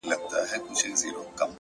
• ږغ مي اوری؟ دا زما چیغي در رسیږي؟ ,